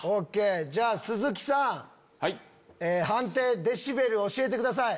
じゃあ鈴木さん判定デシベル教えてください。